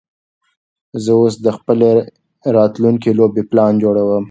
زه اوس د خپلې راتلونکې لوبې پلان جوړوم.